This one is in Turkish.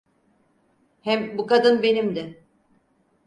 Hem bu kadın benimdi.